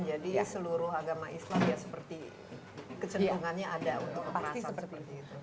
jadi seluruh agama islam ya seperti kecenderungannya ada untuk keperasaan seperti itu